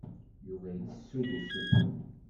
Yuba ittessu-d usuten.